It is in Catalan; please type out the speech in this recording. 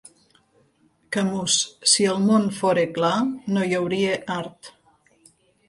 Camus: si el món fora clar, no hi hauria art.